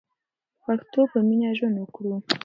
د پښتو په مینه ژوند وکړو.